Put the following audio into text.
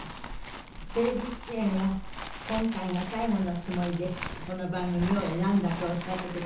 テレビ出演は今回が最後のつもりでこの番組を選んだとおっしゃってくださっています。